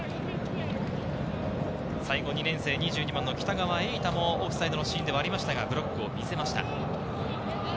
最後２年生、２２番の北川瑛大もオフサイドのシーンではありましたがブロックを見せました。